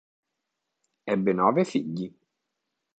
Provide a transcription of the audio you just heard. Ebbe nove figli.